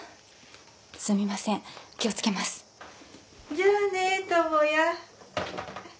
じゃあね智也。